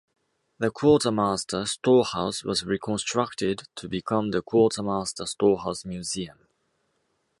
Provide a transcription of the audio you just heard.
The quartermaster storehouse was reconstructed to become the Quartermaster Storehouse Museum.